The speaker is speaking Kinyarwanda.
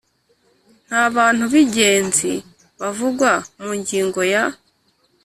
Nta bantu b igenzi bavugwa mu ngingo ya